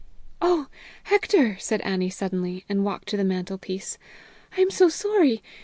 "Oh, Hector," said Annie suddenly, and walked to the mantelpiece, "I am so sorry!